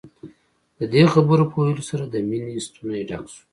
د دې خبرو په ويلو سره د مينې ستونی ډک شو.